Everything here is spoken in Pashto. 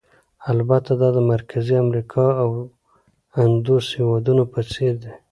البته دا د مرکزي امریکا او اندوس هېوادونو په څېر دي.